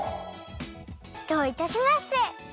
どういたしまして！